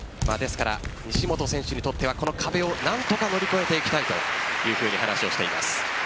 西本選手にとってはこの壁を何とか乗り越えていきたいと話をしています。